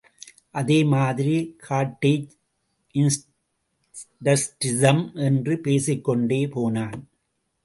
அதேமாதிரி காட்டேஜ் இண்டஸ்ரிஸும்... என்று பேசிக் கொண்டே போனான்.